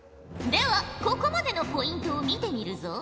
ではここまでのポイントを見てみるぞ。